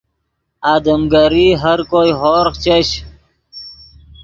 آدم گری ہر کوئے ہورغ چش